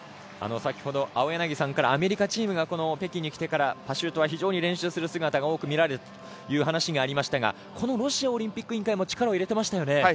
先ほど青柳さんからアメリカチームが北京に来てからパシュートは非常に練習する姿が多く見られたという話がありましたがロシアオリンピック委員会も力を入れていましたよね。